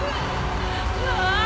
ああ。